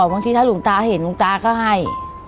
บางทีถ้าหลวงตาเห็นหลวงตาก็ให้